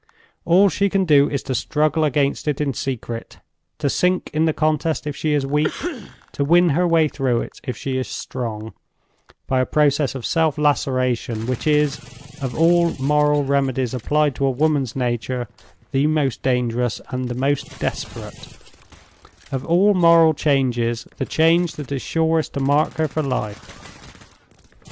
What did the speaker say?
All she can do is to struggle against it in secret—to sink in the contest if she is weak; to win her way through it if she is strong, by a process of self laceration which is, of all moral remedies applied to a woman's nature, the most dangerous and the most desperate; of all moral changes, the change that is surest to mark her for life.